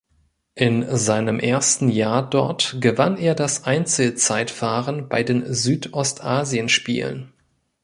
In seinem ersten Jahr dort gewann er das Einzelzeitfahren bei den Südostasienspielen.